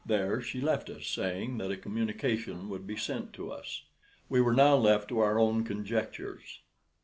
There she left us, saying that a communication would be sent to us. We were now left to our own conjectures.